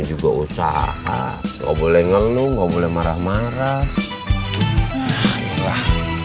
juga usaha ngobrol engel lu nggak boleh marah marah